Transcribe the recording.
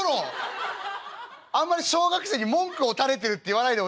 あんまり小学生に文句をたれているって言わないでほしいな」。